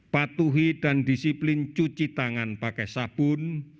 patuhi dan disiplin cuci tangan pakai sabun